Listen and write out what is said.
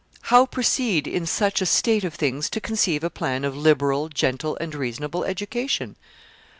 How proceed, in such a state of things, to conceive a plan of liberal, gentle, and reasonable education?